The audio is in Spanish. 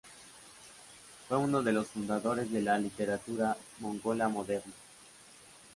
Fue uno de los fundadores de la literatura mongola moderna.